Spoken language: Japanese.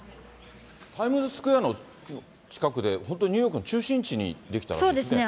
タイムズスクエアの近くで、本当、ニューヨークの中心地に出来たわけですね。